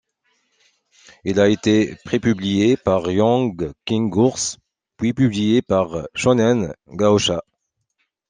Il a été prépublié par Young King Ours, puis publié par Shōnen Gahōsha.